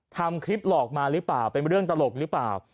ทำคลิปหลอกมาหรือเปล่าเป็นเรื่องตลกหรือเปล่า